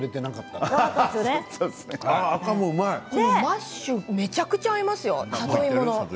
里芋のマッシュめちゃくちゃ合いますよ。